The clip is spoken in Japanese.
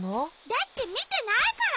だってみてないから。